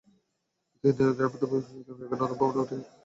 কিন্তু এরই মধ্যে পরিবেশবিজ্ঞান বিভাগ নতুন ভবনে ওঠায় তাঁরা বিব্রতবোধ করছেন।